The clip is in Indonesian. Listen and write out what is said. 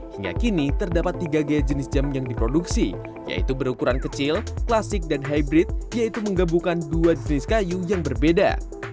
hingga kini terdapat tiga gaya jenis jam yang diproduksi yaitu berukuran kecil klasik dan hybrid yaitu menggabungkan dua jenis kayu yang berbeda